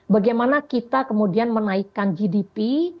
bagaimana kita kemudian menaikkan gdp